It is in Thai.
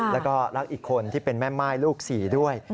แล้วก็รักอีกคนที่เป็นแม่ม่ายลูกสี่ด้วย